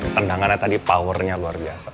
tendangannya tadi powernya luar biasa